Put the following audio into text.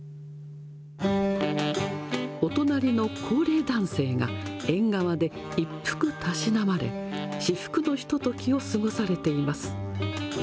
お隣の高齢男性が、縁側で一服たしなまれ、至福のひとときを過ごされています。